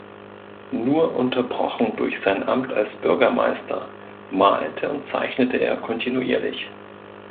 Nur unterbrochen durch sein Amt als Bürgermeister malte und zeichnete er kontinuierlich.